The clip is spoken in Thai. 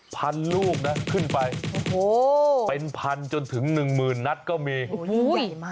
พันลูกนะขึ้นไปเป็นพันจนถึงหนึ่งหมื่นนัฐก็มี